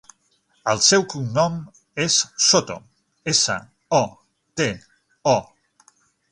El seu cognom és Soto: essa, o, te, o.